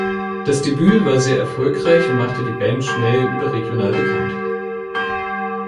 Das Debüt war sehr erfolgreich und machte die Band schnell überregional bekannt.